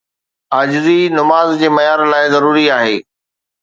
عاجزي نماز جي معيار لاءِ ضروري آهي.